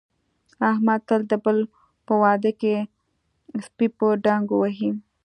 احمد تل د بل په واده کې سپي په ډانګو وهي.